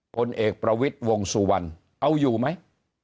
ผลเอกประวิทย์วงสุวรรณเอาอยู่ไหม